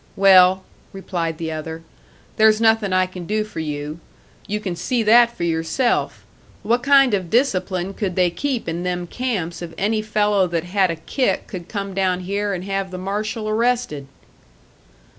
"Well," replied the other, "there's nothing I can do for you. You can see that for yourself. What kind of discipline could they keep in them camps if any fellow that had a kick could come down here and have the marshal arrested?"